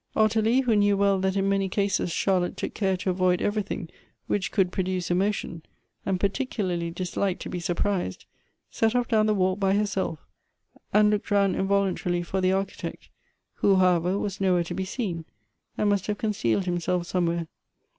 Ottilie, who knew well that in many cases Charlotte took care to avoid everything which could produce emotion, and p.articularly disliked to be surprised, set off down the walk by herself, and looked round involunta rily for the Architect, who however was nowhere to be seen, and must have concealed himself somewhere.